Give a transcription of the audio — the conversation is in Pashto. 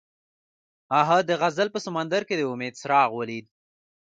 هغه د غزل په سمندر کې د امید څراغ ولید.